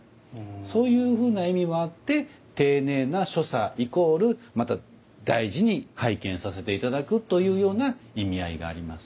そういうふうな意味もあって丁寧な所作イコールまた大事に拝見させて頂くというような意味合いがあります。